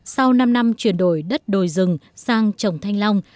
sau năm năm chuyển đổi đất đồi rừng sang trồng thanh long